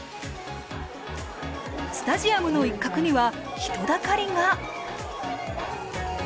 スタジアムの一角には人だかりが！